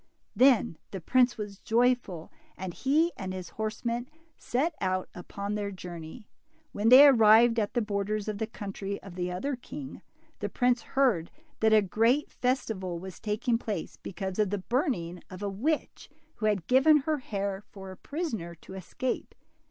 Then the prince was joyful, and he and his horse men set out upon their journey. When they arrived at the borders of the country of the other king, the prince heard that a great festival was taking place because of the burning of a DIMPLE. 61 witch, who had given her hair for a prisoner to escape.